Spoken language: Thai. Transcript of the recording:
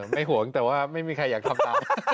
ห่วงแต่ว่าไม่มีใครอยากทำตาม